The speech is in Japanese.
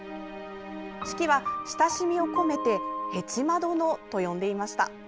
子規は親しみを込めてへちま殿と呼んでいました。